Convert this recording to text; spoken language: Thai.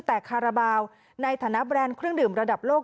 แต่คาราบาลในฐานะแบรนด์เครื่องดื่มระดับโลก